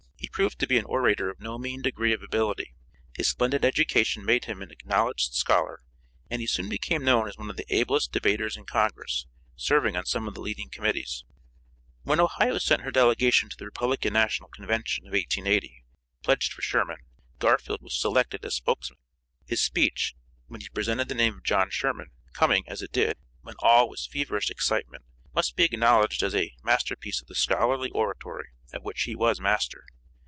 He proved to be an orator of no mean degree of ability, his splendid education made him an acknowledged scholar, and he soon became known as one of the ablest debaters in Congress, serving on some of the leading committees. When Ohio sent her delegation to the Republican National Convention, of 1880, pledged for Sherman, Garfield was selected as spokesman. His speech, when he presented the name of John Sherman, coming, as it did, when all was feverish excitement, must be acknowledged as a master piece of the scholarly oratory of which he was master.